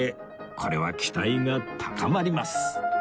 これは期待が高まります